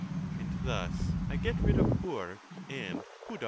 And thus I get rid of nvp and v6u)p.